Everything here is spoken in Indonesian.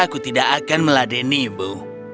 aku tidak akan meladenimu